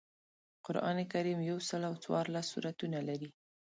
قران کریم یوسل او څوارلس سورتونه لري